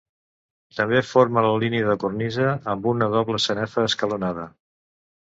També forma la línia de cornisa amb una doble sanefa escalonada.